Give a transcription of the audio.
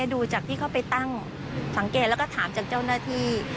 ดูจากที่เขาไปตั้งสังเกตแล้วก็ถามจากเจ้าหน้าที่